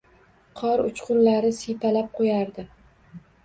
Qor uchqunlari siypalab qo‘yardi.